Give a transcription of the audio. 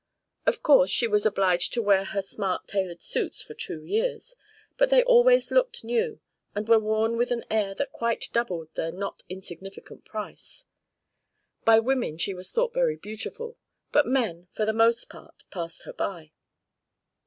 Of course she was obliged to wear her smart tailored suits for two years, but they always looked new and were worn with an air that quite doubled their not insignificant price. By women she was thought very beautiful, but men, for the most part, passed her by.